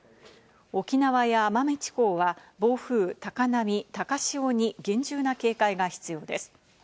沖縄や奄美地方は暴風、高波、高潮に厳重な警戒が必要です。